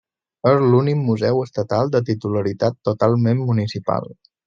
És l'únic museu estatal de titularitat totalment municipal.